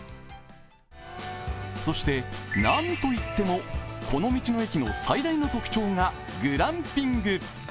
そしてなんといってもこの道の駅の最大の特徴がグランピング。